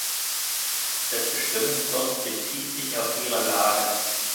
Das Bestimmungswort bezieht sich auf ihrer Lage.